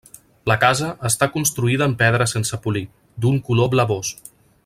La casa està construïda en pedra sense polir, d'un color blavós.